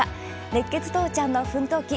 熱血とうちゃんの奮闘記